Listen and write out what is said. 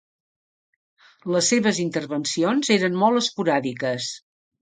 Les seves intervencions eren molt esporàdiques.